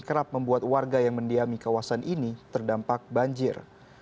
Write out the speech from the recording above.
kerap membuat warga yang mendiami kawasan ini terdampak banjir